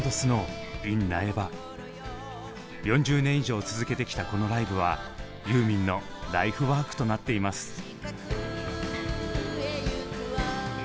４０年以上続けてきたこのライブはユーミンのライフワークとなっています。